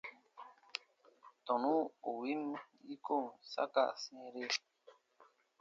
Tɔnu ù win yikon saka sĩire.